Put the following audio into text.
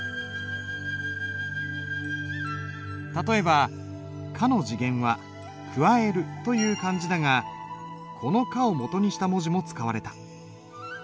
例えば「か」の字源は「加える」という漢字だがこの「可」をもとにした文字も使われた。